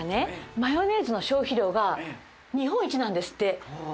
マヨネーズの消費量が日本一なんですって。